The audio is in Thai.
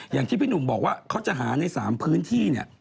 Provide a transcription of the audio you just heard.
อย่างที่พี่หนุ่มบอกว่าเขาจะหาใน๓พื้นที่เนี่ย